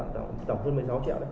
tổng hơn một mươi sáu triệu đấy